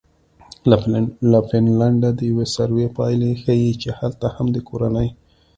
له فنلنډه د یوې سروې پایلې ښیي چې هلته هم د کورنۍ